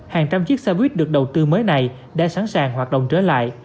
hàng trăm chiếc xe buýt được đầu tư mới này đã sẵn sàng hoạt động trở lại